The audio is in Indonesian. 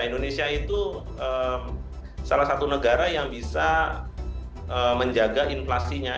indonesia itu salah satu negara yang bisa menjaga inflasinya